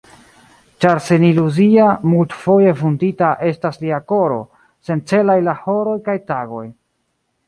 Ĉar seniluzia, multfoje vundita estas lia koro, sencelaj la horoj kaj tagoj.